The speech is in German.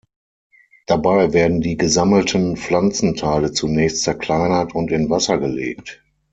Dabei werden die gesammelten Pflanzenteile zunächst zerkleinert und in Wasser gelegt.